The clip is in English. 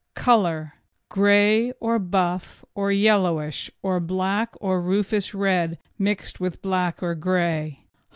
COLOUR Grey, or buff, or yellowish, or black, or rufus red, mixed with black or grey.